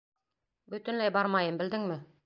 Бөтөнләй бармайым, белдеңме?